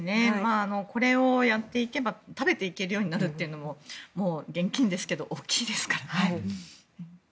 これをやっていけば食べていけるようになるというのも現金ですけど大きいですからね。